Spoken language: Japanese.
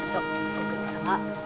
ご苦労さま。